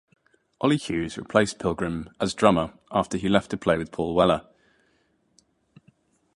Oli Hughes replaced Pilgrim as drummer after he left to play with Paul Weller.